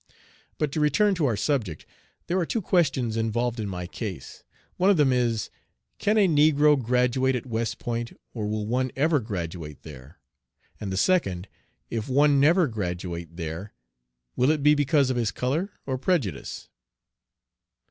But to return to our subject. There are two questions involved in my case. One of them is, Can a negro graduate at West Point, or will one ever graduate there? And the second, If one never graduate there, will it be because of his color or prejudice?